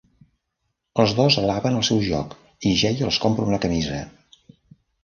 Els dos alaben el seu joc i Jay els compra una camisa.